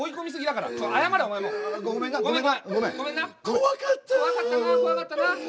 怖かったな怖かったな。